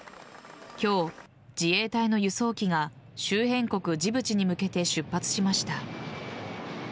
今日、自衛隊の輸送機が周辺国・ジブチに向けて出発しました。